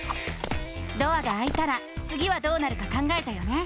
ドアがあいたらつぎはどうなるか考えたよね？